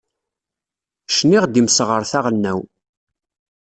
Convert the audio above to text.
Cniɣ-d imseɣret aɣelnaw.